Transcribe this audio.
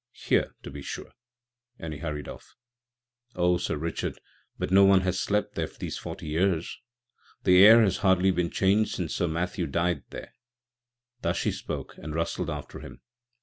Here, to besure"; and he hurried off. "Oh, Sir Richard, but no one has slept there these forty years. The air has hardly been changed since Sir Matthew died there." Thus she spoke, and rustled after him.